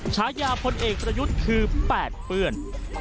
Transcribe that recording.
ฉายาพลเอกประยุทธ์คือแปดเปื้อน